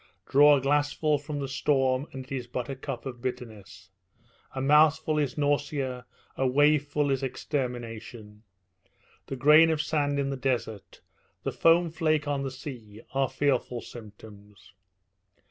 Draw a glassful from the storm, and it is but a cup of bitterness a mouthful is nausea, a waveful is extermination. The grain of sand in the desert, the foam flake on the sea, are fearful symptoms.